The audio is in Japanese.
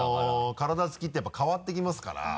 体つきってやっぱり変わってきますから。